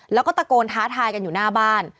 แล้วก็ตะโกนท้าทายกันอยู่หน้าบ้าน